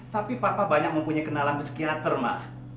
tapi papa banyak mempunyai kenalan psikiater mbak